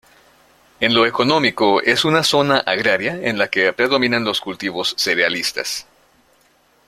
En lo económico es una zona agraria en la que predominan los cultivos cerealistas.